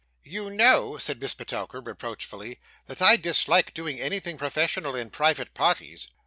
'You know,' said Miss Petowker, reproachfully, 'that I dislike doing anything professional in private parties.